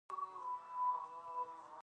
آن خپله د شوروي مشران هم پرې غلط شوي وو